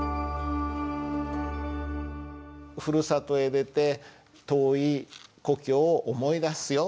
「ふるさとを出て遠い故郷を思い出すよ」